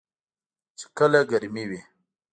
چې کله ګرمې وي .